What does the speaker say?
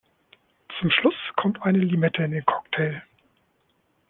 Zum Schluss kommt eine Limette in den Cocktail.